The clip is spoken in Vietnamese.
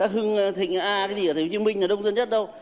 hương thịnh a cái gì ở tp hcm là đông dân nhất đâu